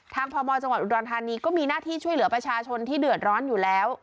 พมจังหวัดอุดรธานีก็มีหน้าที่ช่วยเหลือประชาชนที่เดือดร้อนอยู่แล้ว